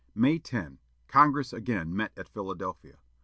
May 10, Congress again met at Philadelphia.